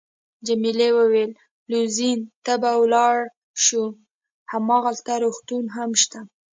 جميلې وويل:: لوزین ته به ولاړ شو، هماغلته روغتون هم شته.